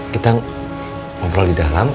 kita ngobrol di dalam